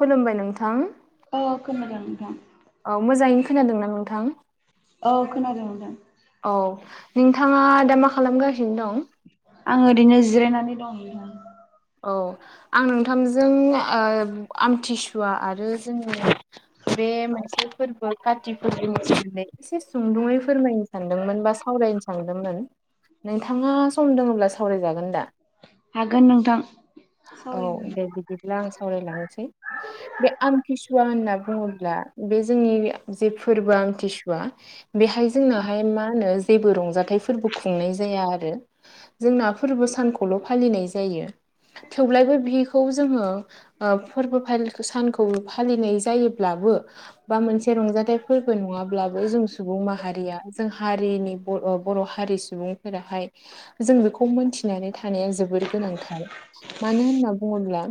खुलुमबाय नोंथां खोना दों नोंथां औ मोजाङैनो खोनादों ना नोंथां? औ खोनादों मोनदों औ नोंथाङा दा मा खालामगासिनो? दं आं ओरैनो जिरायनानै दं औ आं नोंथांजों आमथिसुवा आरो जोंनि बे मोनसे फोरबो काति फोरबोनि सोमोनदै एसे सुंदुङै फोरमायनो सानदोंमोन बा सावराय नो सांदोंमोन नोंथाङा सम दङब्ला सावराय जागोन दा हागोन नोंथां [inaudible] औ सावरायनो दे बिदिब्ला आं सावरायलांनोसै बे आमथिसुवा होनना बुङोब्ला बे जोंनि जे फोरबो आमथिसुवा बेहाय जोंनाहाय मा होनो जेबो रंजाथाइ फोरबो खुंनाय जाया आरो जोंना फोरबो सानखौल फालिनाय जायो थेवब्लाायबो बिखौ जोङो फोरबो फालि सानखौ फालिनाय जायोब्ला बा मोनसे रंजाथाइ फोरबो नङाब्लाबो जों सुबुं माहारिया जों हारिनि बर हारि सुबुंफोराहाय जों बेखौ मोनथिनानै थानाया जोबोर गोनांथार मानो होनना बुङोब्ला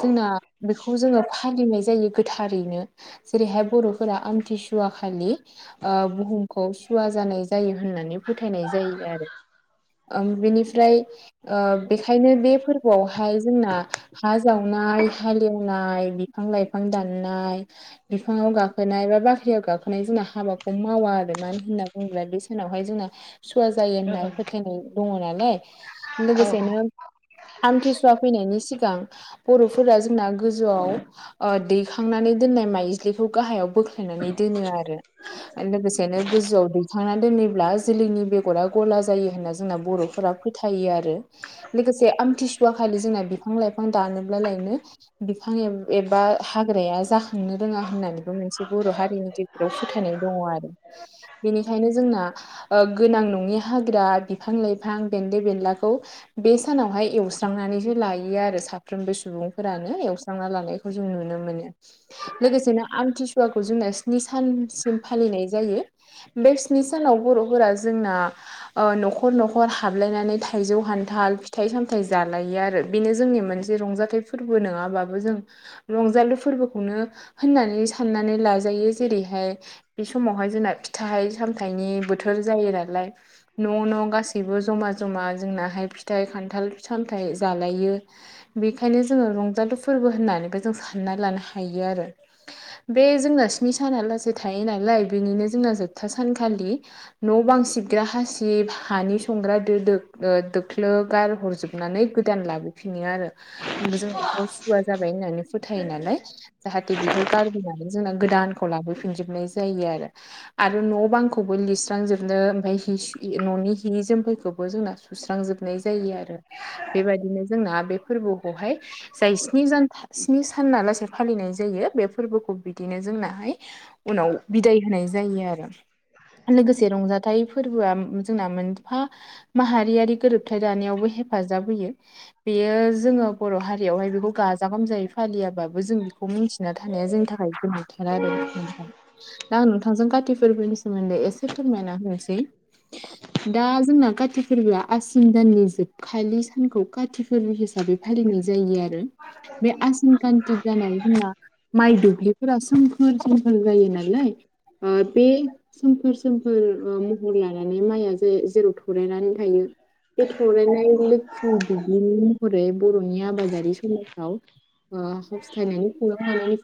जोंना बेखौ जोङो फालिनाय जायो गोथारैनो जेरैहाय बरफोरा आमथिसुवा खालि बुहुमखौ सुवा जानाय जायो होननानै फोथायनाय जायो आरो बेनिफ्राय बेखायनो बेफोर बेवहाय जोंना हा जावनाय हालेवनाय बिफां लाइफां दाननाय बिफाङाव गाखोनाय बा बाख्रियाव गाखोनाय जोंना हाबाखौ मावा आरो मानो होनना बुङोब्ला बे सनावहाय जोंना सुवा जायो औ होनना फोथायनाय दङ नालाय लोगोसेनो थिसुवा फैनायनि सिगां बरफोरा जोंना गोजौआव दैखांनानै दोननाय माइज्लिखौ गाहायाव बोख्लायनानै दोनो आरो लोगोसेनो गोजौआव दैखांना दोनोबब्ला जोलैनि बेगरा गला जायो होनना जोंना बरफोरा फोथायो आरो लोगोसे खाथिसुवाखलि जोंना बिफां लाइफां दानोब्ला लायनो बिफां एबा हाग्राया जाख थांनो रोङा होननानैबो मोनसे बर हारिनि गेजेराव फोथायनाय दङ आरो बेनिखायनो जोंना गोनां नङि हाग्रा बिफां लाइफां बेन्दो बेन्लाखौ बे सानावहाय एव एवस्रांनानैसो लायो आरो साफ्रोमबो सुबुंफोरानो एवस्रांना लानायखौ जों नुनो मोनो लोगोसेनो आमथिसुवाखौ जोंना स्नि सानसिम फालिनाय जायो बे स्नि सानावबो फोरा जोंना नखर नखर हाबलायनानै थाइजौ खान्थाल फिथाइ सामथाइ फिथाइ जालायो आरो बेनो जोंनि मोनसे रंजाथाइ फोरबो नङाबाबो जों रंजालु फोरबोखौनो होननानै साननानै लाजायो जेरैहाय बे समावहाय जोंना फिथाइ सामथनि बोथोर जायो नालाय न गासैबो जमा जमा जोंनाहाय फिथाइ खान्थाल सामथायाइ जालायो बेखायनो जोङो रंजालु फोरबो होननानैबो जों सानना लानो हायो आरो बे जोंना स्नि साना लासै थायो नालाय बेनिनो जोंना जोबथा सानखालि न बां सिबग्रा हासिब हानि संग्राो दोख्लोगार नानै गोदान लाबोफिनो आरो जोंनाथ सुवा जाबाय होननानै फोथायो नालाय जाहाथे बेखौ गारबोनानै जोंना गोदानखौ लाबोफिनजोबनाय जायो आरो आरो न बांखौबो लिरस्रांजोबनो ओमफ्राय ह न'नि हि जोमैखौबो बेबो जोंना सुस्रांजोबनाय जायो आरो बेबायदिनो जोंना बे फोरबोखौहाय जाय स्नि स्नि साना लासेै फालिनाय जायो बे फोरबोखौ बिदिनो जोंनाहाय उनाव बिदाय होनाय जायो आरो लोगोसे रंजाथाइ फोरबोआ जोंना मोनफा माहारियारि गोरोबथाय दानायावबो ह हेफाजाब होयो बेयो जोङो बर हारियावहाय बेखौ गाजा गोमजायै फालियाबो जों बेखौ मिथिना थायो थानाया जोंनि थाखाय गोनांथार आरो नोंथां दा आं नोंथांजों खाति फोरबोनि सोमोन्दै एसे फोरमायना दा जोंना काति फोरबोआ आसिन दाननि जोब खाालि सानखौ काति फोरबो हिसाबै फालिनाय जायो आरो बे आसिन कान्ति दानाव जोंना माइ दुब्लिफोरा सोमखोर सोमखोर जायो नालाय बे सोमखोर सोमखोर महर लानानै माइया ज जेराव थलायनानै थायो बे थर लोखि दुब्लिनि लोखि महरै बरनि आबादारि समाजाव ह्थायनाय हानानै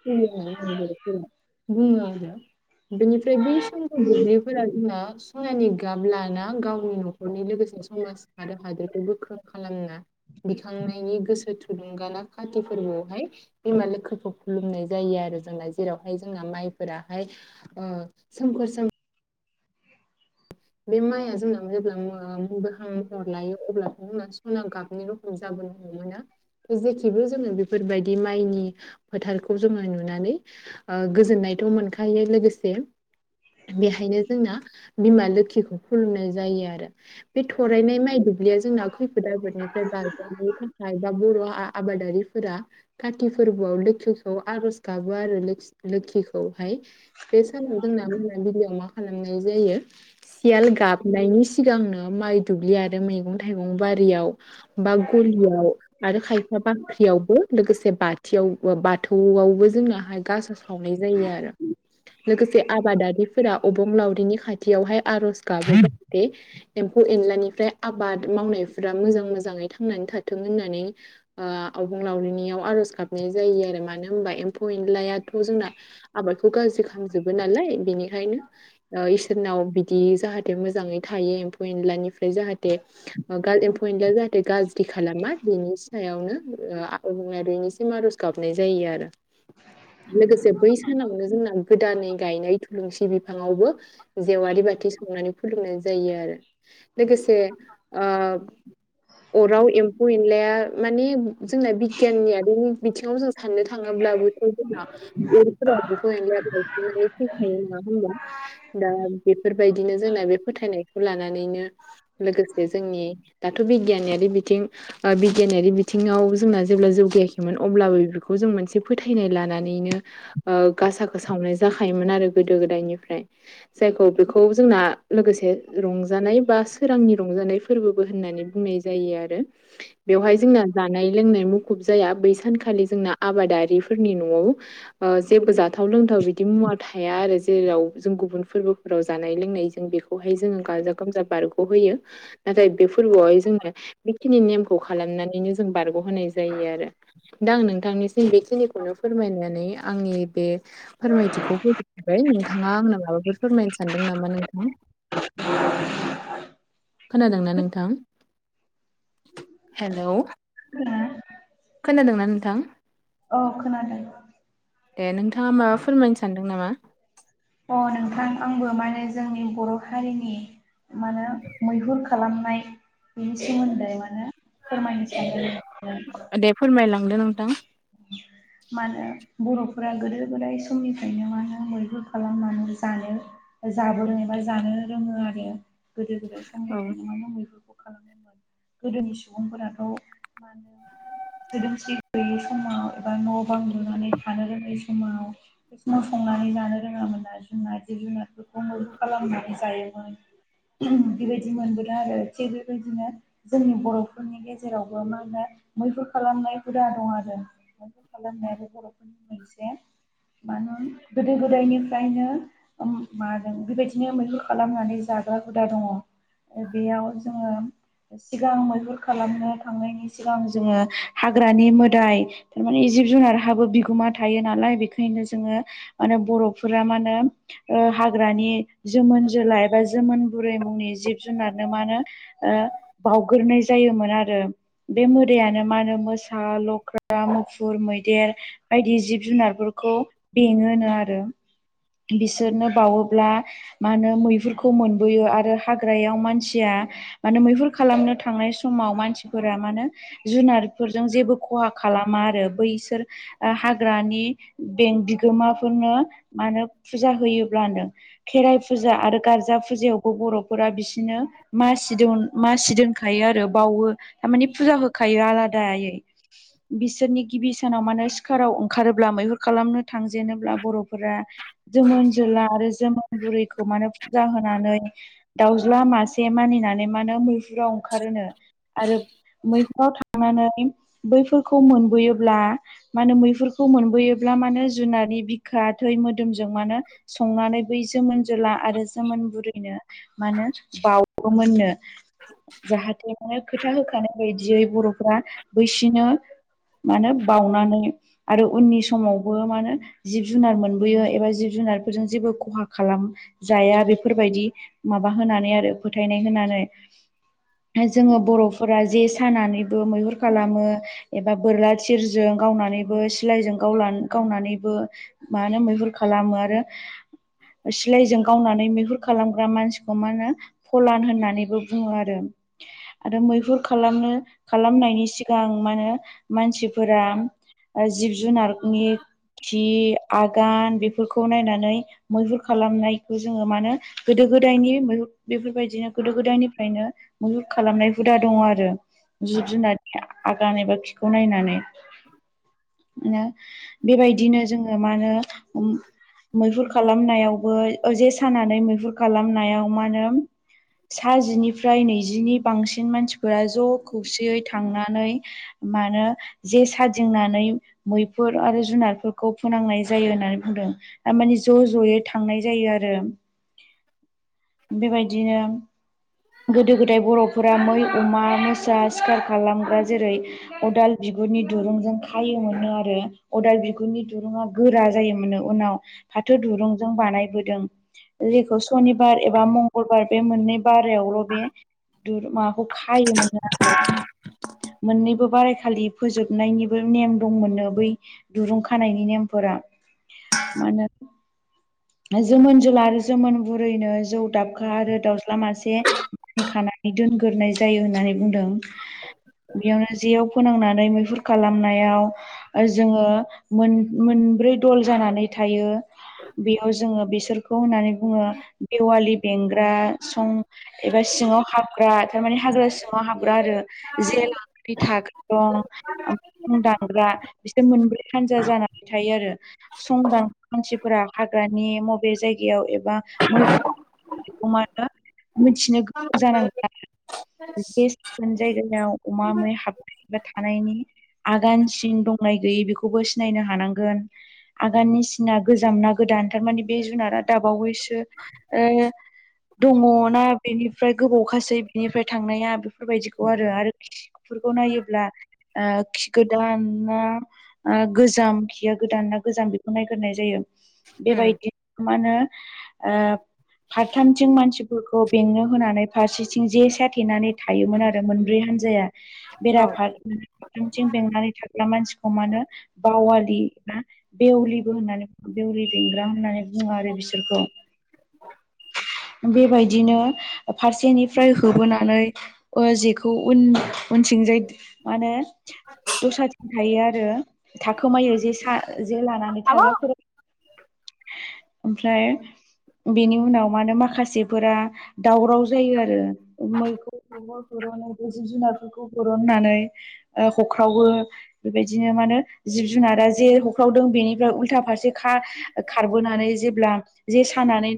बेनिफ्राय बै समफोरा जोंना सनानि गाब लाना गावनि न'खरनि लोगोसे समाज आरो हादोर गोख्रों खालामना दिखांनायनि गोसो थुलुंगाना खाथि फोरबोआवहाय बिमा लोखिखौ खुलुमनाय जायो आरो जों जेरावहाय जोंना माइफोराहाय सोमखोर सोम बे माइआ जोंना जेब्ला गोमोहां महर लायो अब्ला जोंना सना गाबनि रखम जाबायो [unintelligible] जेथिबो जोङो बेफोरबायदि माइनि फोथारखौ जोङो नुनानै ओ गोजोन्नायथ' मोनखायो लोगोसे बेहायनो जोंना बिमा लोखि खुलुमनाय जायो आरो बे थरायनाय माइ दुब्लिया जोंना खैफोद आफोदनिफ्राय बारगनायनि थाखाय बा बर' आबादारिफोरा काथि फोरबो लोकिखौ आर'ज गाबो आरो लोखिखौहाय बे सानाव जोंना मोनाबिलियाव जों मा खालामनाय जायो सियाल गाबनायनि सिगांनो माइ दुब्लि आरो मैगं थाइगं बारियाव बा गलियाव आरो खायफा बाख्रियावबो लोगोसे बाथियावबो बाथौ बो जोंना गासा सावनाय जायो आरो लोगोसे आबादारिफोरा अबंलावरि नि खाथियावहाय आर'ज गाबो जे एम्फौ एनलानिफ्राय आबाद मावनायफोरा मोजां मोजाङै थांनानै थाथों होननानै ओ अबंलावरिनियाव आरज गाबनाय जायो आरो मानो होमबा एमफौ एनला याथ' जोंना आबादखौ गाज्रि खालामजोबो नालाय बिनिखायनो इसोरनाव जाहाथे मोजाङै थायो एम्फौ एनलानिफ्राय जाहाथे एम्फौ एनला जाहाथे गाज्रि खालामा बेनि सायावनो अबंलावरिनिसिम आर'ज गाबनाय जायो आरो लोगोसे बै सानावनो जोंना गोदानै गायनाय थुलुंसि बिफाङावबो जेवारि बाथि साथि सावनानै फोरोंनाय जायो आरो लोगोसे अराव एम्फौ एनलाया माने जोंना बिगियाननियारिनि बिथिङाव जों साननो थाङोब्लाबो [unintelligible] फालिया [unintelligible] नङा होमबा दा बेफोरबायदिनो जोंना बे फोथायनायखौ लानानैनो लोगोसे जोंनि दाथ' बिगियानारि थिं ओ बिगियानारि बिथिङाव जोंना जेब्ला जौगायाखैमोन अब्लाबो बेखौ जों मोनसे फोथायनाय ला लानानैनो ओ गासाखौ सावनाय जाखायोमोन आरो गोदो गोदायनिफ्राय जायखौ खौ जोंना लोगोसे रंजानाय बा सोरांनि रंजानाय फोरबोबो होननानै बुंनाय जायो आरो बेवहाय जोंना जानाय लोंनाय मुखुब जाया सानखालि जोंना आबादारिफोरनि न'वाव ओ जेबो जाथाव लोंथाव बिदि मुवा थाया आरो जेराव जों गुबुन फोरबोफोराव जानाय लोंनाय जों बेखौहाय जोङो गाजा गोमजा बारग' होयो नाथाय बे फोरबोआवहाय जोंनो बेखिनि नेमखौ खालामनानैनो जों बारग' होनाय जायो आरो दा आं नोंथांनिसिम बेखिनिखौनो फोरमायनानै आंनि बे फोरमायथिखौ फोजोबबाय नोंथाङा आंनो माबाफोर फोरमाय सानदों नामा नोंथां? खोनादोंना नोंथां हेलौ खोनादों खोनादोंना नोंथां औ खोनादों। ए नोंथाङा माबा फोरमायनो सानदों नामा? अ नोंथां आंबो माने जोंनि बर' हारिनि मानो मैहुर खालामनाय बेनि सोमोन्दै माने फोरमायनो सानदों। ए नोंथां मानो बर'फोरा गोदो गोदाय समनिफ्रायनो मानो मैहुर खालामनानै जानो जाबोदों एबा जानो रोङो आरो गोदो गोदाय औ समनिफ्रायनो मा मैहुरखौ [unintelligible] गोदोनि सुबुंफोराथ' मा होनो सोदोमस्रि गोयै [inaudible] बा न' बां लुनानै थानो रोङै समाव बे समाव संनानै जानो रोङामोन जिब जुनारफोरखौ मैहुर खालामनानै जायोमोन। बेबायदि मोनबोदों आरो थिग बेबायदिनो जोंनि बर'फोरनि गेजेरावबो मा होनो मैहुर खालामनाय हुदा दं आरो मैहुर खालामनायाबो बर'फोरनि मोनसे मा नो गोदो गोदायनिफ्रायनो मा होनो बेबायदिनो मैहुर खालामनानै जा- ग्रा हुदा दङ बेयाव जोङो सिगां मैहुर खालामनो थांनायनि सिगां जोङो हाग्रानि मोदाय थारमाने जिब जुनार हाबो बिगोमा थायो नालाय बेखायनो जोङो माने बर'फोरा मा होनो हाग्रानि जोमोन जोला एबा जोमोन बुरै मुंनि जिब जुनारनो मा होनो बावग्रोनाय जायोमोन आरो बे मोदायानो मा होनो मोसा लख्रा ख्रा मुफुर मैदेर बायदि जिब जुनारफोरखौ बेङो नो आरो बिसोरनो बावोब्ला मा होनो मैहुरखौ मोनबोयो आरो हाग्रायाव मानसिया मा नो मैहुर खालामनो थांनाय समाव मानसिफोरा मा नो जुनारफोरजों जेबो खहा खा- खालामा आरो बैसोर हाग्रानि बें बिगोमाफोरनो मा होनो फुजा होयोब्ल नो खेराइ फुजा आरो गारजा फुजायावबो बर'फोरा बिसोरनो मासि दोन मासि दोनखायो आरो बावो थारमानिे फुजा होखायो आलादा दायै बिसोरनि गिबि सानाव मानो सिखाराव ओंखारोब्ला मैहुर खालामनो थांजेनोब्ला बर'फोरा जोमोन जोला आरो जोमोन बुरैखौ मा नो फुजा होनानै दाउज्ला मासे मानिनानै मा नो मैहुराव ओंखारो नो आरो मैहुराव थांनानै बैफोरखौ मोनबोयोब्ला मा होनो मैुहुरखौ मोनबोयोब्ला मानो जुनारनि बिखा थै मोदोम मा नो संनानै बै जोमोन जोला आरो जोमोन बुरैनो मा नो बावोमो- मोननो। जाहाथे माने खोथा होखानाय बायदियै बर'फ्रा बैसिनो मा नो बाउनानै आरो उननि समावबो मा नो जिब जुनार मोनबोयो एबा जिब जुनारफोरजों जेबो खहा खालाम जाया बेफोरबायदि माबा होनानै आरो फोथायनाय होना- नै जोङो बर'फोरा जे सानानैबो मैहुर खालामो एबा बोरला थिरजों गावनानैबो सिलायजों गाव गावनानैबो मा होनो मैहुर खालामो आरो सिलायजों गावनानै मैहुर खालामग्रा मानसिखौ मा होनो फलान होननानैबो बुङो आरो आरो मैहुर खालामनो खालामनायनि सिगां मा होनो मानसिफोरा जिब जुनारनि खि आगान बे - फोरखौ नायनानै मैहुर खालामनायखौ जोङो मानो गोदो गोदायनि मैहुर बेफोरबायदिनो गोदो गोदायनिफ्रायनो मुहुर खालामनाय हुदा दङ' आरो जिब जुनारनि आगान एबा खिखौ नायनानै बेबायदिनो जोङो मा होनो मैहुर खालामनायावबो जे सानानै मैहुर खालामनायाव मा होनो सा जिनिफ्राय नैजिनि बांसिन मानसिफोरा ज' खौसेयै थांनानै मानो जे सादिंनानै मैफोर आरो जुनारफोरखौ फोनांनाय जायो होननानै बुंदों थारमाने ज' ज'यै थांनाय जायो आरो बेबायदिनो गोदो गोदाय बर'फोरा मै अमा मोसा सिखार खालामग्रा जेरै उदाल बि- गुरनि दुरुंजों खायोमोननो आरो अदाल बिगुरनि दुरुंङा गोरा जायोमोनो उनाव फाथो दुरुंजों बानायबोदों जेखौ सनिबार एबा मंगलबार बे मोननै बा- रायावल' बे माबाखौ खायोमोन नो आरो मोननैबो बारायखालि फोजोबनायनिबो नेम दंमोननो बै दुरुं खानायनि नेमफो- रा मा होनो जोमोन जुला आरो जोमोन बुरैनो जौ दाबखा आरो दाउस्ला मासे मानिखानानै दोनग्रोनाय जायो होननानै बुंदों। बेयावनो जेयाव फोनांनानै मैहुर खालामनायाव जोंङो मोनब्रै दल जानानै थायो। बेयाव जोंङो बिसोरखौ होननानै बुंङो बेवालि बेंग्रा सं एबा सिङाव हाबग्रा थारमाने हाग्रा सिङाव हाबग्रा आरो जेेलनानै थाग्रा दं दानग्रा बिसोर मोनब्रै हानजा जानानै थायो आरो सं दान मानसिफोरा हाग्रानि बबे जायगायाव एबा मै मिथिनो जानांला बे साखोन जायगायाव अमा मै हाबबाय थानायनि आगानसिन दंङो गैयि बेखौबो सिनायनो हानांगोन आगाननि सिना गोजाम ना गोदान थारमाने बे जुनारा दाबावैसो दंङो अना बेनिफ्राय गोबावखासै बिनिफ्राय थांनाया बेफोरबायदिखौ आरो खि फोरखौ नायोब्ला खि गोदाना गोजाम खिया गोदान ना गोजाम बेखौ नायग्रनाय जायो उम बेबायदि फारथामथिं बेंनो होनानै फारसेथिं जेसे थेनानै थायोमोन आरो मोनब्रै हानजाया बेरा औ बेंनानै थाग्रा मानसिखौ म बावालि होननानै बेवरि बेंग्रा होननानै बुंङो आरो बिसोरखौ औ बे बेबायदिनो फारसेनिफ्राय होबोनानै जेखौ उन उन सिंजाय माने दस्राथिं थायो आरो थाखोमायो जे सा जे लानानै थाग्राफोर ओमफ्राय बेनि उनाव मानो माखासे फोर दावराव जायो आरो मैफोरखौ खौ जिब जुनारफोरखौ हुरनो होख्रावो बेबायदिनो माने जिब जुनारा जे हख्रावदों बेनि उथा फारसे खार खारबोनानै जेब्ला जे सानानै